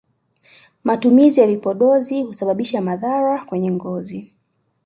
matumizi ya vipodozi husababisha madhara ya ngozi